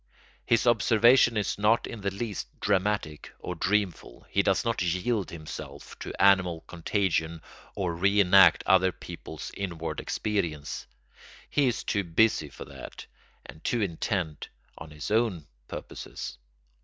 His observation is not in the least dramatic or dreamful, he does not yield himself to animal contagion or re enact other people's inward experience. He is too busy for that, and too intent on his own purposes.